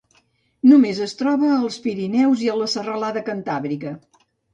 Només es troba als Pirineus i la Serralada Cantàbrica.